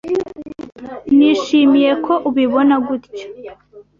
Nishimiye ko ubibona gutya.